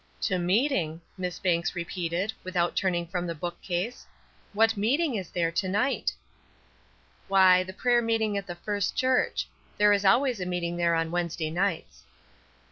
"To meeting," Miss Banks repeated, without turning from the book case. "What meeting is there to night?" "Why, the prayer meeting at the First Church. There is always a meeting there on Wednesday nights."